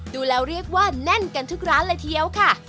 ดูแล้วเรียกว่าแน่นกันทุกร้านเลยทีเดียวค่ะ